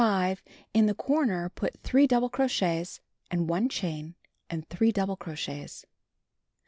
In the corner, put 3 double crochets, and 1 chain, ;ind .3 doulile crochets.